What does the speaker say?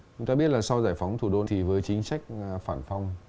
chúng ta biết là sau giải phóng thủ đô thì với chính sách phản phong